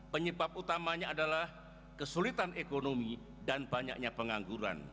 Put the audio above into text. penyebab utamanya adalah kesulitan ekonomi dan banyaknya pengangguran